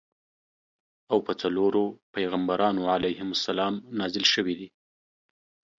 او په څلورو پیغمبرانو علیهم السلام نازل شویدي.